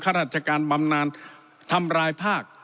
ราชการบำนานทำรายภาค